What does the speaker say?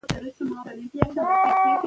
د نجونو ښوونه د ګډو کارونو بريا زياتوي.